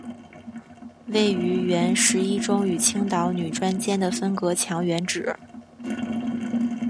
位于原十一中与青岛女专间的分隔墙原址。